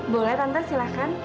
boleh tante silahkan